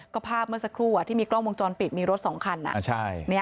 ก็ภาพเมื่อสักครู่ที่มีกล้องวงจรปิดมีรถ๒คัน